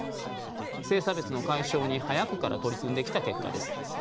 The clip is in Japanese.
性差別の解消に早くから取り組んできた結果です。